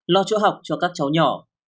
lo chỗ học cho các cháu nhỏ